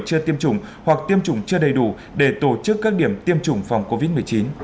chưa tiêm chủng hoặc tiêm chủng chưa đầy đủ để tổ chức các điểm tiêm chủng phòng covid một mươi chín